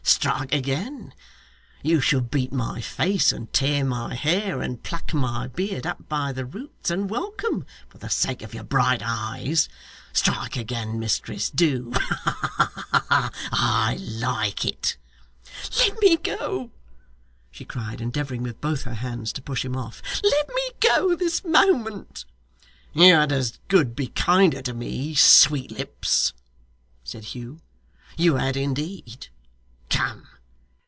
Strike again. You shall beat my face, and tear my hair, and pluck my beard up by the roots, and welcome, for the sake of your bright eyes. Strike again, mistress. Do. Ha ha ha! I like it.' 'Let me go,' she cried, endeavouring with both her hands to push him off. 'Let me go this moment.' 'You had as good be kinder to me, Sweetlips,' said Hugh. 'You had, indeed. Come.